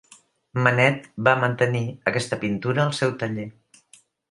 Manet va mantenir aquesta pintura al seu taller.